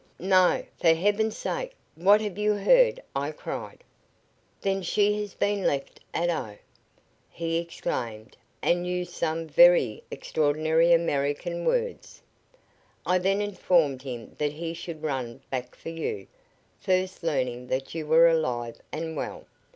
"'No. For Heaven's sake, what have you heard?' I cried. "'Then she has been left at O ,' he exclaimed, and used some very extraordinary American words. "I then informed him that he should run back for you, first learning that you were alive and well.